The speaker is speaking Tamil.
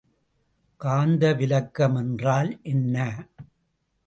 காந்தவிலக்கம் என்றால் என்ன?